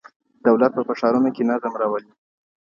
دولت به په ښارونو کي نظم راولي.